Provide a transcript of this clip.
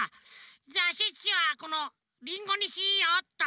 じゃあシュッシュはこのリンゴにしようっと！